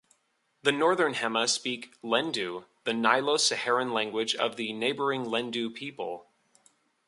The northern Hema speak Lendu, the Nilo-Saharan language of the neighbouring Lendu people.